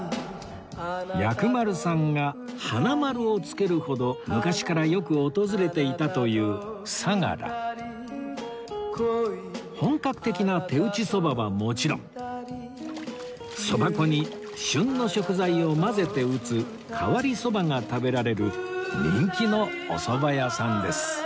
薬丸さんが花丸をつけるほど昔からよく訪れていたという本格的な手打ちそばはもちろんそば粉に旬の食材を混ぜて打つ変わりそばが食べられる人気のおそば屋さんです